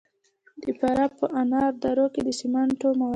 د فراه په انار دره کې د سمنټو مواد شته.